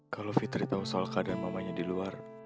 kalau fitri tahu soal keadaan mamanya di luar